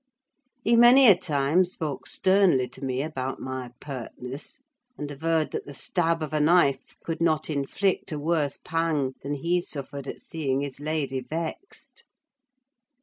He many a time spoke sternly to me about my pertness; and averred that the stab of a knife could not inflict a worse pang than he suffered at seeing his lady vexed.